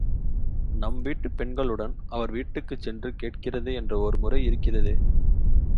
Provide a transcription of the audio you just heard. நம் வீட்டுப் பெண்களுடன் அவர் வீட்டுக்குச்சென்று கேட்கிறது என்ற ஒருமுறை இருக்கிறதே!